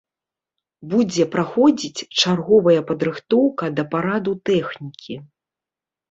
Будзе праходзіць чарговая падрыхтоўка да параду тэхнікі.